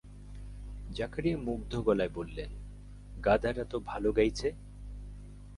জাকারিয়া মুগ্ধ গলায় বললেন, গাধাটাতো ভালো গাইছে।